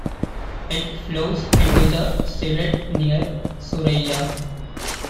It flows into the Siret near Suraia.